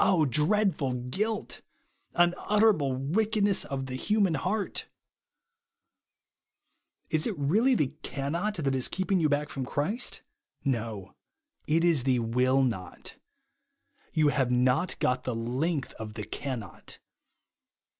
dreadful guilt ! Unutterable wickedness of the human heart ! Is it really the cannot that is keeping you back from Christ l No ; it is the ivill THE WANT OF POWER TO BJiLlEVE. 149 not You have not got the length of the cannot.